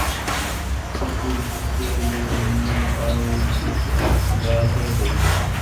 فولکلوري کیسې له مینې او ګدازه ډکي دي.